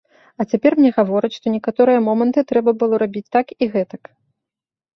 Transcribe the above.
А цяпер мне гавораць, што некаторыя моманты трэба было рабіць так і гэтак.